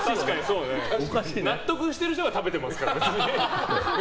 納得してる人が食べてますからね。